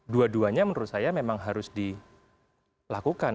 dua duanya menurut saya memang harus dilakukan